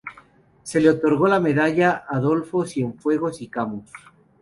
Se le otorgó la medalla Adolfo Cienfuegos y Camus.